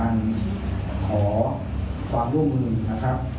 ซึ่งในส่วนตรงนี้ก็เป็นเรื่องของการถูกส่วนสอบส่วนของทางตั้งรวดนะครับ